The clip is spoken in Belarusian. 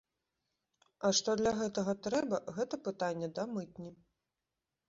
А што для гэтага трэба, гэта пытанне да мытні.